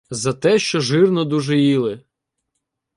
За те, що жирно дуже їли